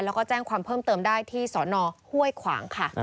แล้วก็แจ้งความเพิ่มเติมได้ที่สนห้วยขวางค่ะ